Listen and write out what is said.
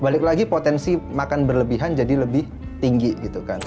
balik lagi potensi makan berlebihan jadi lebih tinggi gitu kan